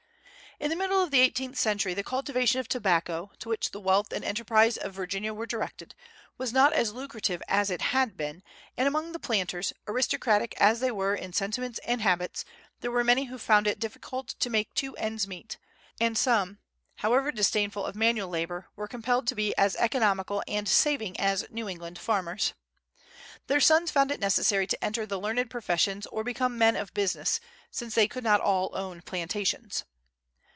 In the middle of the eighteenth century the cultivation of tobacco, to which the wealth and enterprise of Virginia were directed, was not as lucrative as it had been, and among the planters, aristocratic as they were in sentiments and habits, there were many who found it difficult to make two ends meet, and some, however disdainful of manual labor, were compelled to be as economical and saving as New England farmers. Their sons found it necessary to enter the learned professions or become men of business, since they could not all own plantations.